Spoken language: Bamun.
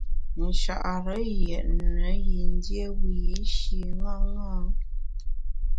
Nchare yètne yin dié wiyi’shi ṅaṅâ.